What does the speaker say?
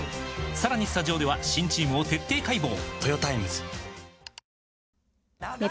さらにスタジオでは新チームを徹底解剖！